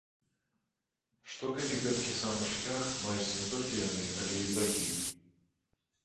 Што, калі гэткі самы шлях маюць не толькі яны, але і багі?